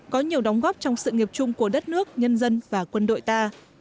có nhiều đóng góp trong sự nghiệp chung của đất nước nhân dân và quân đội ta